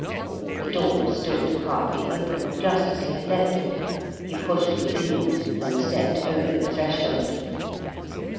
The door stood partly open, just as he had left it. He pushed it inward and stepped over the threshold.